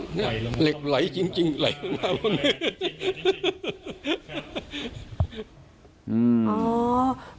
เหล็กไหลจริงไหลมาบนเมือง